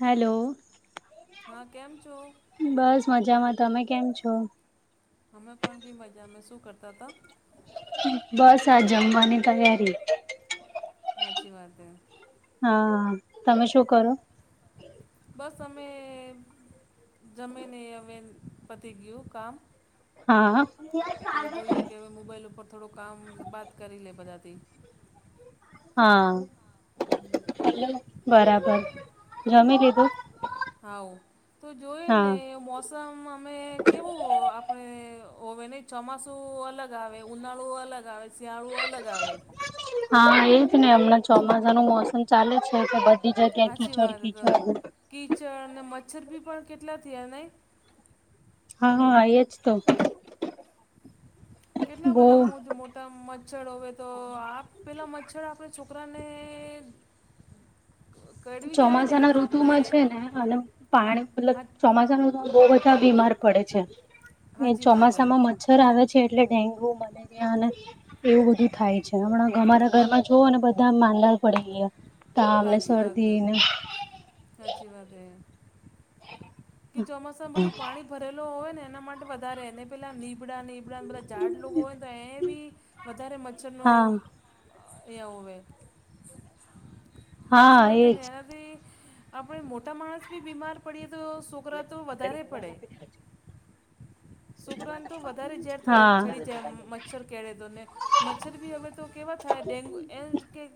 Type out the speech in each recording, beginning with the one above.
Hello હા, કેમ છો? બસ મજામાં, તમે કેમ છો? અમે પણ બી મજામાં, શું કરતા હતા? બસ આ જમવાની તૈયારી. હાચી વાત હે. હા, તમે શું કરો? બસ અમે જમીને હવે પતી ગયું કામ. હા. તો જોઈએ કે હવે મોબાઈલ ઉપર થોડું કામ બાત કરી લે બધાથી. હા બરાબર જમી લીધું. હાઓ તો જોઈ હા ને મો સમ અમે કેવું આપણે હોવે નઈ ચોમાસું અલગ આવે ઉનાળુ અલગ આવે. શિયાળું અલગ આવે. હા એજ નહી હમણાં મોસમ ચાલે છે. બધી જગ્યા કી સાચી ચડ વાત કી તો ચડ- કીચડ અને મચ્છરબી પણ કેટલા થયા નહીં. હા હા એ જ તો. કેટલા બહુ બધા મોજ મો- મચ્છર હો તો આપ પેલા મચ્છર આપણે છોકરાને- કરવી જાય ને તો ચોમાસાના આપણે માં છે ને અને હા હા પાણી- ન બહુ બધા બીમાર છે એ સાચી વાત હે ચોમાસામાં મચ્છર- ર આવે છે એટલે ડેન્ગુ મલેરિયા અને એવું બધું થાય છે હમણાં- અમારા હા ઘરમાં જોવઓ ને બધા માંનર પડી ગયા. તાવ ને સાાચી વાત શરદી ને સાચી વાત એ. કે ચોમાસા બધું પાણી ભરેલ હોય ને એના માટે વધારે એને પેલા નીબડા ની- ઉપરાંત બધા જાઝાડ લોકો હોયને તો એ બી વધારે મચ્છરનો હા એ હોય. હા સાચી વાત એજ ને એનાથી આપણેે મોટા માણસ બી બીમાર પડીએ તો- છોકરા તો વધારે પડે. તો ઝેર હા છડી જાય મચ્છર- કેળદોને મચ્છર બી હવે તો કેવા થાય ડેન્ગુ એ કે-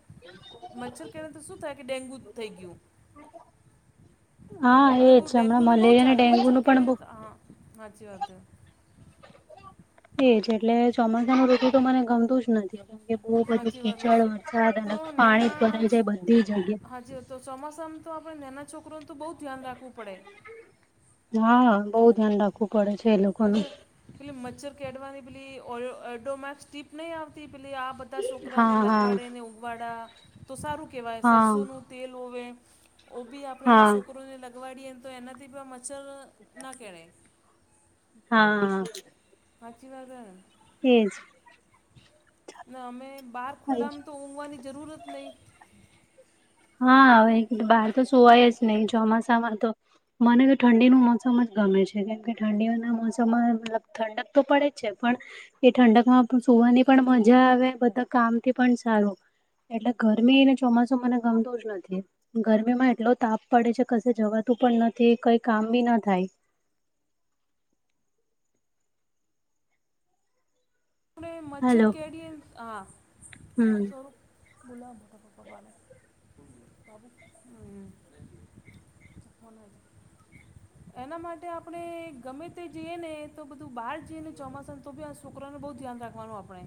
મચ્છર કેણથી શું થાય કે ડેન્ગુ થઈ ગયું. હા હવે એજ બહુ હમણાં મલેરિયા અને ડેન્ગુ નું પણ બહુ- હાચી વાત હે. એજ એટલે ચોમાસા ન ઋતુ તો મને ગમતું જ નથી. કે બહુ બધું સાચી વાત છે કીચળ સો- વરસાદ તો ભરાઈ નેના જાય બધી જગ્યા- હાજી તો ચોમાસામાં તો આપણે નાના છોકરોનું તો બહુ ધ્યાન રાખવું પડે. હા બઉુ ધ્યાન રાખકું પડે છે એ લોકો- હજ મચ્છર કેઢવાની પેરુ નહી આવતી આ બધ- બધા છોકરા ને હા હા લગવાડે ને ઉગવાડ તો સારું કેવાય હા સરસો નું તેલ હોવે- ઓ બી આપણે હા છોકરોને લગવાડીએને તો એનાથી પણ મચ્છર ના કેહેણે- હા. સાચી વાદ હેને. એ જ. ને અમે બહાર થાય ખુલ્લામ છે. તો ઊંઘવાની જરૂર જ નહીં. હાવે બહાર તો સુવાય જ નહી ચોમાસામાં તો. મને તો ઠંડીનું મોસમ જ ગમે છે કેમ કે ઠંડીઓના મોસમમાં મતલબ ઠંડક તો પડે જ છે પણ- એ ઠંડક માં પણ સુવાની પણ મજા આવે બધા કામ થી પણ સારું. ગરમીને ચોમાસું મને ગમતું નથી. ગરમીમાં એટલો તાપ પડે છે કશે જવાતું પણ નથી કઈ કામ બી ના થાય. મચ્છર હેલો કેડી એ હા હમ ભુલા તો પપ- તુ હચ ફોન માટે આપણે ગમે તે જઈએ ને બધું બહાર જઈએ ને ચોમાસા તો બી આ છોકરાને બહુ- ક્યા કરાવાનું આપણે.?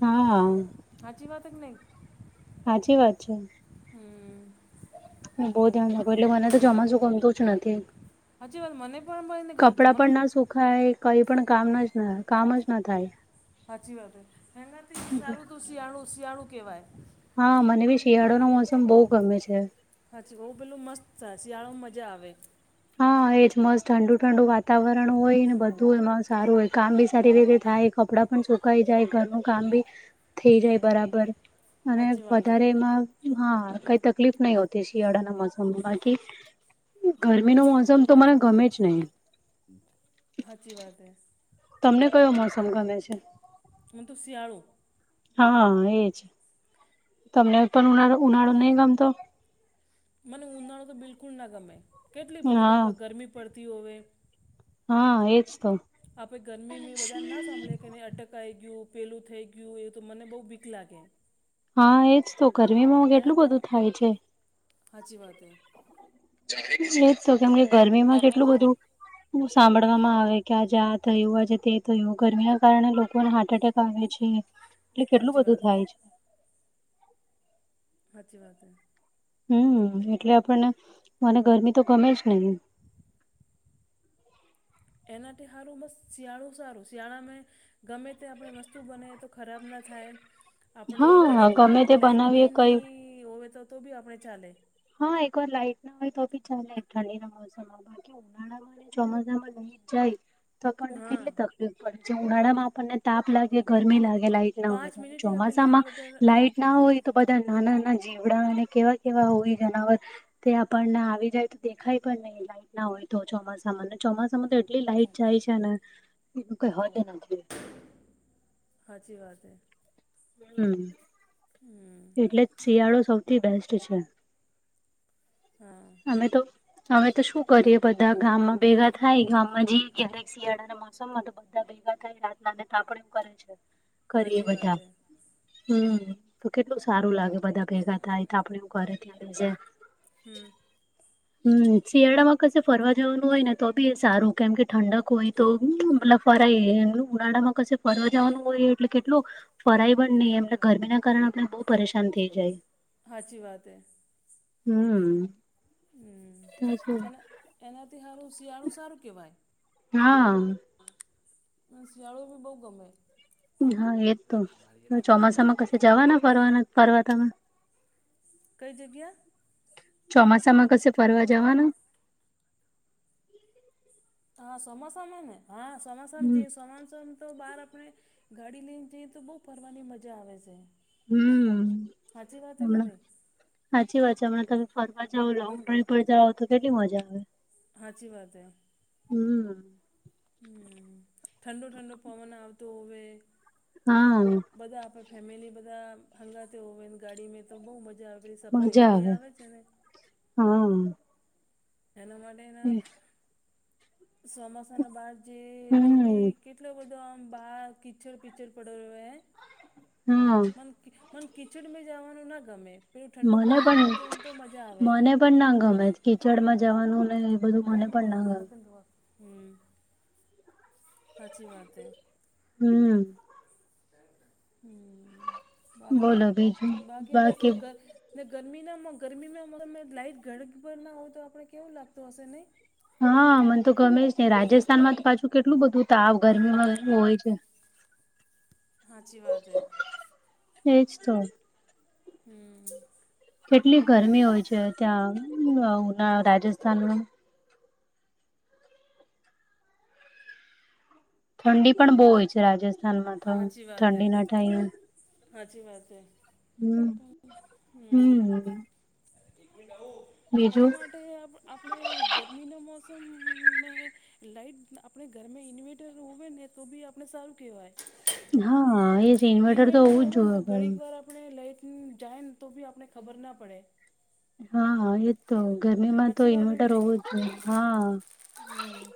હામમ હાજી વાત જ નહી. સાચી વાત છે. હમ. હ બહુ ધ્યાન રાખુ એકલે મને તો ચોમાશુ ગમતુ જ નથી. હજી વાત મને પણ મળી ને ગમતું. મને- ખાય કઈ પણ કામના જ કામ જ ના થાય. સાચી વાત હે એનાથી એટલે સારું તું શિયાળું શિયાળું કેવાય. હા મને બી શિયાળો નો મોસમ બહુ ગમે છે. હાછી ઓ પેલું મસ્ત થાય શિયાળોમાં મજા આવે. હા એજ મસ્ત ઠંડુ ઠંડુ વાતાવરણ હોય ને બધુંમાં સારું હોય કામ બી સારી રીતે થાય કપડાં પણ સુકાઈ જાય ઘરનું કામ ભી થઈ જાય બરાબર, અને સાચી વાત હે વધારે એમાં, હા કઈ તકલીફ નહી હોય. તે શિયાળાના મોસમ બાકી ગરમી નું મોસમ તો મને ગમે જ નઈ. હાચી વાત હૈ. તમને કયો મોસમ ગમે છે.? મને તુ શિયાળુ. હા હા એ જ! તમને પણ ઉનાળો ઉનાળો નહીં ગમતો.? મને ઉનાળો તો બિલકુલ ના ગમે કેટલી બધી હા બાપા ગરમી પડતી હોવે. હા એ જ તો, આપે ગરમી મે બધા ના સાંભળી મે હક ટકાઈ ગયું પેલું થઈ ગયું એ તો મને બહુ બીક લાગે. હા એજ તો ગરમીમાં આવુ કેટલું બધું થાય છે.? હાચી વાત હે. એજ તો કેમ કે ગરમીમાં કેટલું બધું એવું સાંભળવામાં આવે કે આજ આ થયું આજે તે થયું ગરમીના કારણે લોકોને હાર્ટ એટેક આવે છે એટલે કેટલું સાચી બધું વાત થાય છે.? સાચી વાત હે. હમ એટલે આપણને મને ગરમી તો ગમે જ નઈ. એનાથી હારું મસ્ત શિયાળું સારું શિયાળા મેં ગમે તે આપણે વસ્તુ બનાઇએ તો ખરાબ ના થાય. આપણે હા ઘડી ક ગમે વાર તે લાઈટ બી બનાવીએ કઈ નહી હોવે તો તો બી આપણે ચાલે. હા એકવાર લાાઈટ ના હોય તો બી ચાલે ઠંડી ના મોસમ ઉનાળામાં અને ચોમાસા માં લઈટ જાય.? તો આપણને હા કેટલી તકલીફ પડે છે ઉનાળામાં આપણને તાપ લાગે ગરમી લાગે લાઈટ ના હોય પાંચ તો મિનિટ આપણી લેટ ચોમાસામાં વગર લાઈટ ના હોય તો બધા નાના નાના જીવડા ને કેવા કેવા હોય જનાવર તે આપણને આવી જાય તો દેખાય પણ નઈ લાઇટ ના હોય તો ચોમાસામાં ને ચોમાસામાં તો એટલી લાઈટ જાય છે ને, કઈ હોય ન [inaudible] હાચી વાત હે. હમમ હમમ એટલે જ શિયાળો સૌથી બેસ્ટ છે. હા અમે તો અમે તો શું કરીએ બધા ગામમાં ભેગા થાય ગામમાં જઈએ ક્યારેક શિયાળામાં મોસમમા તો બધા ભેગા થાય રાતના ને તાપણું કરે છે કરીએ સાચી વાત બધા. હે હમ તો કેટલું સારું લાગે બધા ભેગા થાય તાપણું કરે ત્યારે જે. હમ હમ શિયાળામાં કશે ફરવા જવાનું હોય ને તો બી સારું. કેમ કે ઠંડક હોય તો મતલબ ફરાય એનું ઉનાળામાં કશે ફરવા જવાનું હોય એટલે કેટલું ફરાય પણ ની એમને ગરમીના કારણે બઉ પરેશાન થઈ જાય. સાચી વાત હે હમ હમ અને એનાથી હારું શિયાળું સારું કેવાય. હા હા અને શિયાળો ભી બહુ ગમે. હા એજ તો, ચોમાસામાં કશે જવાના ફરવાના ફરવા તમે? કઈ જગ્યા? ચોમાસામાં કશે ફરવા જવાના? હા સમસમને હા સમસમમાં હમ જઇયે સમસમ તો બહાર આપણે. ગાડી લઈને જઈએ તો બહુ ફરવાની મઝા આવે છે. હમ, સાચી વાત હે કે હમણા. નહીં હાચી વાત છે. હમણાં તમે ફરવા જઓ, લોંગ ડ્રાઈવ પર જાઓ તો કેટલી મજા આવે. હાચી વાત હૈ. હમ. હમ ઠંડો ઠંડો પવન આવતો હોવે. હા. બધા આપે ફેમિલી બધા હંગાતે હોય ને ગાડીમે તો બઉ મજા આવે. પેલી સફારી મઝા ગાડી આવે છે ને હા. એના માટેના ચોમાસાના બહાર જયે તો બી હમ કેટલો બધો આમ, બાર કિચ્ચડ પીચડ પડ્યો રેવે હે. હહ મ મન કીચડ મે જાવાનું ના ગમે. પેલું ઠંડો મને પવન પણ આવતો હોય ને તો મઝા આવે. મને પણ ના ગમે કિચડમાં જવાનું ને. બધું પેન મને પણ ના નંબર ગમે લખે ને તો હા હમ હાચી વાત હે. હમ. હમ બાકી, બોલો બીજું બાકી બસ [inaudible] ને ગરમીના માં ગરમીના માં લાઈટ ઘડીક ભર ના હોય તો આપણે કેવું લાગતું હશે નઈ? હા મને તો ગમે જ ની. રાજસ્થાનમાં તો પાછું કેટલું બધું તાવ ગરમીમાં હોય છે. હાચી વાત હૈ. એજ તો હમ. કેટલી ગરમી હોય છે ત્યાં, ઉના રાજસ્થાનમાં. ઠંડી પણ બહુ હોય છે રાજસ્થાનમાં તો હાચી વાત હે ઠંડીના ટાઈમ. હાચી વાત હે હમ. [inaudible] એના બીજું માટે આપ આપણે ગરમીના મોસમ મેં. લાઈટ આપણે ઘરે મે ઇન્વેર્ટર હોવેને તો બી આપણે સારું કેવાય. હા એજ ઇન્વર્ટર તો હોવું જ જોયે ઘર અને લાઈટનું જાય ને તો બી આપને ખબર ના પડે. હા હા એજ તો ગરમીમાં તો ઇન્વર્ટર હોવું જ જોઈએ. હા. હમ.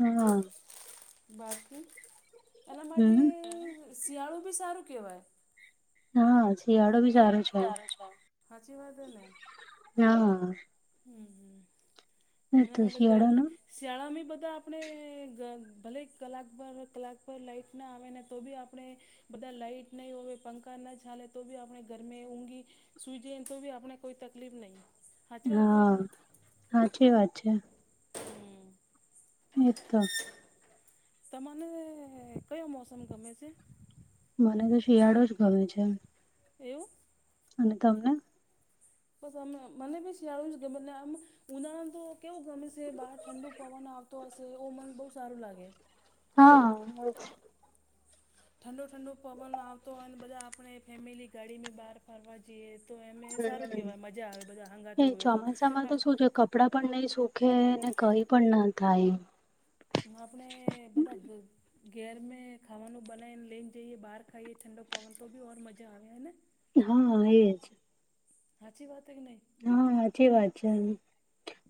અહીંયા હોય. બાકી, એના માટે હમ શિયાળું બી સારું કહેવાય. હાઉ શિયાળો બી સારું. સારું છે. હાચી વાત હે ને. હા. હમ હમ એ એના તો માટે ગરમી શિયાળાનો શિયાળામી બધા આપણે ઘ ભલે કલાક પરર કલાક પર લાઈટ ના આવે ને તો બી આપણે બધા લાઈટ નહી હોવે, પંખા ના ચાલે તો બી આપણે ઘરમે ઊંઘી સુઈ જઇએને તો બી આપણે કોઈ તકલીફ નહીં. હાચી વાત હે કે હા નહીં? હાચી વાત છે. હમ્મ. એ જ તો. ત મને કયો મોસમ ગમે છે? મને તો શિયાળો જ ગમે છે. એવું? અને તમને? બસ અમને મને બી શિયાળો જ ગમે એલે આમ ઉનાળા પણ તો કેવું ગમે છે બહાર ઠંડુ પવન આવ તો હશે એ મને બહુ સારું લાગે. હા. નવ ઠંડુ ઠંડો પવન આવતો હોયને, બધા આપણે ફેમિલી ગાડી મે બહાર ફરવા જઈએ, તો એને સારું કહેવાય. મજા આવે, બધા હંગાતો હોય, તો આપ કપડા પણ નહી સુખેને, કઈ પણ ના થાય એમ. આપણે બધા ભો ઘેર મે ખાવાનું બનાયને લઈન જઈએ, બહાર ખાઈએ ઠંડો પવન તો બી ઓર મજા આવે હને? હા એ છ. હાચી વાત હેક નહી. હા, હાચી વાત છે.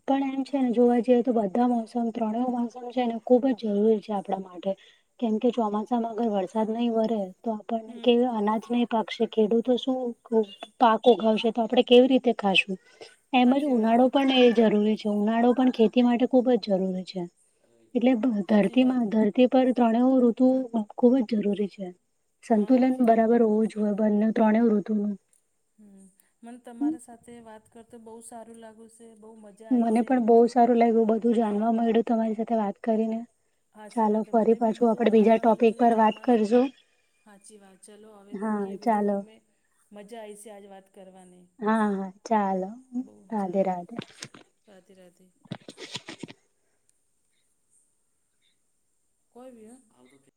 પણ એમ છે ને, જોવા જઈએ તો બધા મોસમ ત્રણેય મોસમ છે ને, ખુબ જ જરૂરી છે. આપણા માટે. કેમ કે ચોમાસામાં અગર વરસાદ નહીં વરે તો આપણને હમ્મ કે અનાજ નહી પાકશે. ખેડૂતો શું? પાક ઉગાવશે તો આપણે કેવી રીતે ખાશું એમજ હાચી વાત ઉનાળો પણ એ જરૂરી છે. ઉનાળો પણ ખેતી માટે ખુબ જ જરૂરી છે. એટલે હાચી વાત ધરતીમાં હે. ધરતી પર ત્રણેઉ ઋતુ ખુબ જ જરૂરી છે. હા સંતુલન હાચી વાત બરાબર હે. હોવું જ હ બંને ત્રણે ઋતુનું હમ. મને તમારા સાથે વાત કરતો બહુ સારું લાગુ છે. બહુ મ મને પણ બહુ સારું લાગ્યું. બધું જાણવા મળ્યું, તમારી સાથે વાત કરીને. સાચી ચાલો, વાત મને ફરી બી પાછું બધું આપણે બીજા ટોપિક પર વાત કરજો. હાચી વાત. ચલો હવે, મૂકીએ બધું અમે મજા આઈ છે આજ વાત કરવાની. હા હા. ચાલો, બહુ રાધે ચાલો રાધે. રાધે રાધે. કોઈ ભી હ.